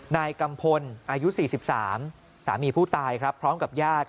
นายกัมพลอายุ๔๓สามีผู้ตายครับพร้อมกับญาติ